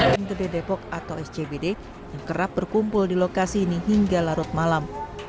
yang kerap berkumpul di lokasi ini hingga larut malam